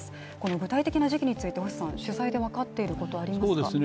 具体的な時期について取材で分かっていること、ありますか？